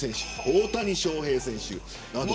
大谷翔平選手など。